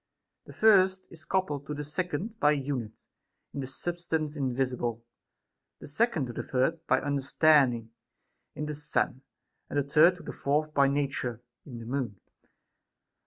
The first is coupled to the second by a unit, in the substance invisible ; the second to the third by understanding, in the Sun ; and the third to the fourth by nature, in the Moon.